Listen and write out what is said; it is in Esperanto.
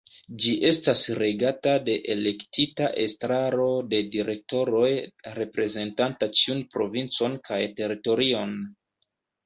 Ĝi estas regata de elektita Estraro de direktoroj reprezentanta ĉiun provincon kaj teritorion.